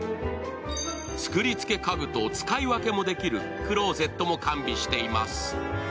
作りつけ家具と使い分けもできるクローゼットも完備しています。